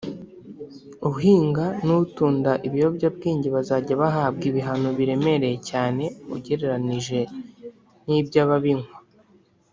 uhinga n’utunda ibiyobyabwenge bazajya bahabwa ibihano biremereye cyane ugereranije n’iby’ababinywa”